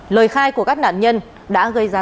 lời khai của các nạn nhân đã gây ra